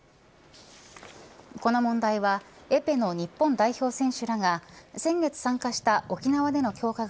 この問題はエペの日本代表選手らが先月参加した沖縄での強化